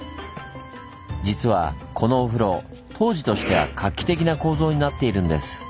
実はこのお風呂当時としては画期的な構造になっているんです。